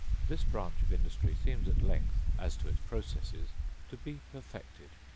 This branch of industry seems at length, as to its processes, to be perfected.